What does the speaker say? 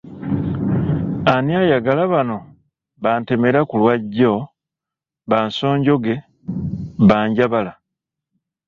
Ani ayagala bano ba ntemera ku lwajjo, ba nsonjoge, ba Njabala?